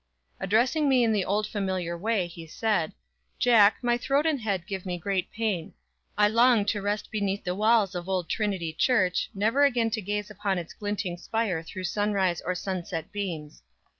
Addressing me in the old familiar way, he said: "Jack, my throat and head give me great pain. I long to rest beneath the walls of Old Trinity Church, never again to gaze upon its glinting spire through sunrise or sunset beams.